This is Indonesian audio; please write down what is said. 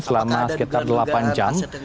selama sekitar delapan jam